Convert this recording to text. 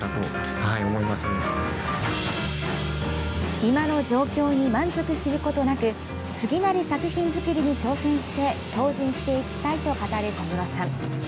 今の状況に満足することなく次なる作品作りに挑戦して精進していきたいと語る小室さん。